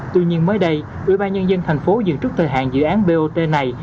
tuy nhiên mới đây ủy ban nhân dân thành phố giữ trước thời hạn dự án bot này